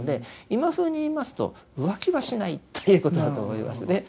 今ふうに言いますと浮気はしないっていうことだと思いますね。